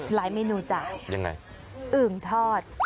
หลายเมนูจ๊ะอึ่งทอดยังไง